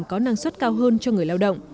có năng suất cao hơn cho người lao động